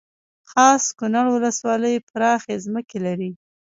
خاص کونړ ولسوالۍ پراخې ځمکې لري